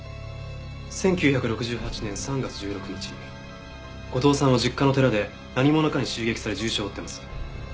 １９６８年３月１６日後藤さんは実家の寺で何者かに襲撃され重傷を負っています。